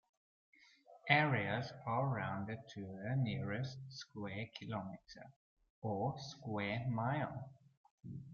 Areas are rounded to the nearest square kilometre or square mile.